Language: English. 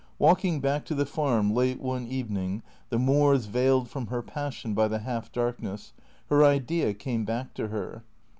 Walking back to the farm late one evening, the moors veiled from her passion by the half darkness, her Idea came back to her.